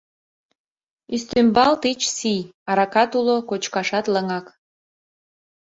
Ӱстембал тич сий: аракат уло, кочкашат лыҥак.